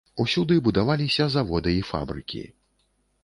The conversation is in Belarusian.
Усюды будаваліся заводы і фабрыкі.